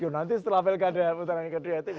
nanti setelah pilkada putaran ini ketemu